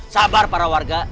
sabar para warga